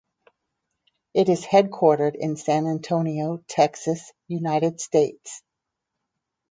It is headquartered in San Antonio, Texas, United States.